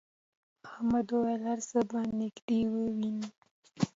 احمد وویل هر څه به نږدې ووینې.